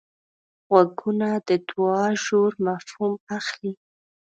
غوږونه د دوعا ژور مفهوم اخلي